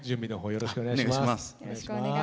よろしくお願いします。